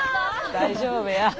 大丈夫や。